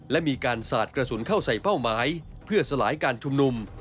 และมีการสาดกระสุนเข้าใส่เป้าหมายเพื่อสลายการชุมนุม